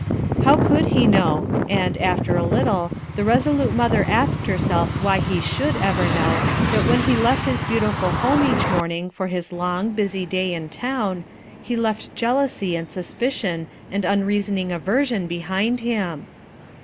How could he know, and, after a little, the resolute mother asked herself why he should ever know that when he left his beautiful home 320 RUTH ERSKINE'8 SON each morning for his long, busy day i n to ^ he left jealousy and suspicion and unreason^ ! aversion behind him